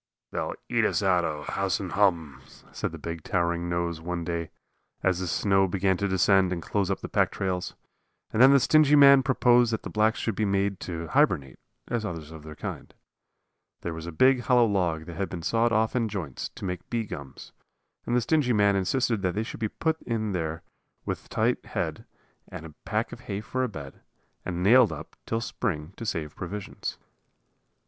"They'll eat us out o' house and hum," said the big, towering nose one day, as the snow began to descend and close up the pack trails. And then the stingy man proposed that the blacks should be made to hibernate, as others of their kind. There was a big, hollow log that had been sawed off in joints to make bee gums; and the stingy man insisted that they should be put in there with a tight head, and a pack of hay for a bed, and nailed up till spring to save provisions.